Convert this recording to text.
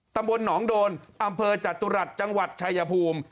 ตำบลหนองโดนอำเภอจตุรัสจังหวัดชายภูมิ